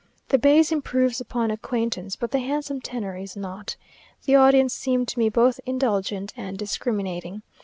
The bass improves upon acquaintance, but the handsome tenor is nought. The audience seemed to me both indulgent and discriminating.